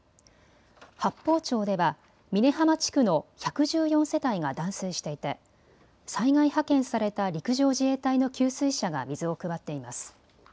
八峰町では峰浜地区の１１４世帯が断水していて災害派遣された陸上自衛隊の給水車が水を配っています。